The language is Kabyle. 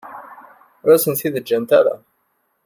Ur as-ten-id-ǧǧant ara.